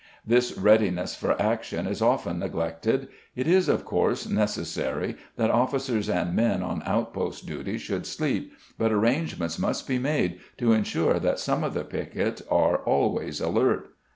This readiness for action is often neglected; it is, of course, necessary that officers and men on outpost duty should sleep, but arrangements must be made to ensure that some of the piquet are always alert.